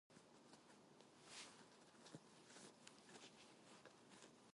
He was educated at King's College School and at Pembroke College, Oxford.